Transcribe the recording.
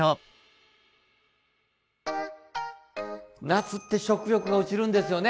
夏って食欲が落ちるんですよね。